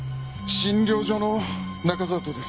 診療所の中里です。